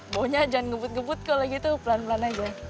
bawanya jangan ngebut ngebut kalau gitu pelan pelan aja